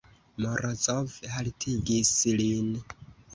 Morozov haltigis lin.